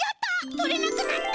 とれなくなった！